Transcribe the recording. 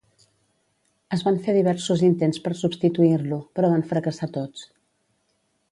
Es van fer diversos intents per substituir-lo, però van fracassar tots.